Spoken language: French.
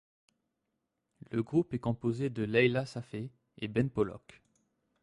Le groupe est composé de Leyla Safai et Ben Pollock.